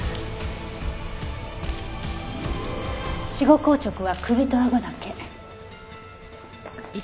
死後硬直は首とあごだけ。